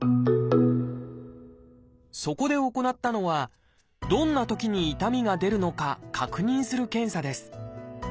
そこで行ったのはどんなときに痛みが出るのか確認する検査です。